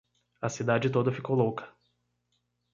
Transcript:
A cidade toda ficou louca.